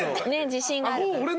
自信があるから。